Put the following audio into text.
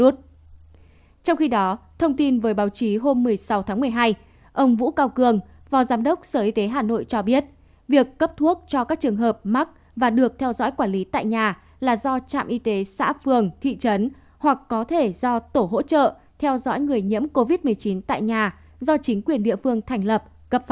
trong khi đó thông tin với báo chí hôm một mươi sáu tháng một mươi hai ông vũ cao cường vò giám đốc sở y tế hà nội cho biết việc cấp thuốc cho các trường hợp mắc và được theo dõi quản lý tại nhà là do trạm y tế xã phường thị trấn hoặc có thể do tổ hỗ trợ theo dõi người nhiễm covid một mươi chín tại nhà do chính quyền địa phương thành lập